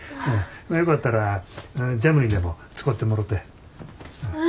よかったらジャムにでも使てもろて。